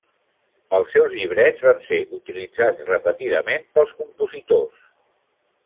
Els seus llibrets van ser utilitzats repetidament pels compositors.